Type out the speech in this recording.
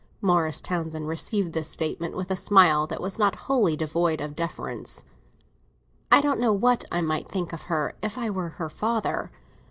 Morris Townsend received this statement with a smile that was not wholly devoid of deference. "I don't know what I might think of her if I were her father.